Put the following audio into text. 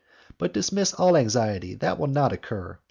But dismiss all anxiety; that will not occur.